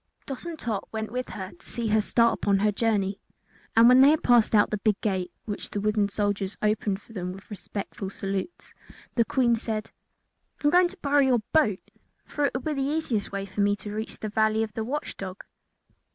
Dot and Tot went with her to see her start upon her journey, and when they had passed out of the big gate, which the wooden soldiers opened for them with respectful salutes, the Queen said: "I am going to borrow your boat, for it will be the easiest way for me to reach the Valley of the Watch Dog."